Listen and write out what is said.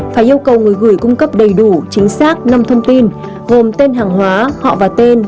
phải yêu cầu người gửi cung cấp đầy đủ chính xác năm thông tin gồm tên hàng hóa họ và tên